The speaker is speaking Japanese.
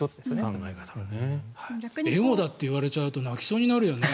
エゴだって言われちゃうと泣きそうになるよね。